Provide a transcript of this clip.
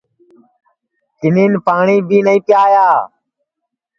کِنین پاٹؔی بی نائی پیایا